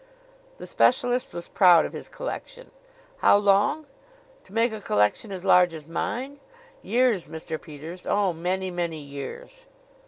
The specialist was proud of his collection. "How long? To make a collection as large as mine? Years, Mr. Peters. Oh, many, many years."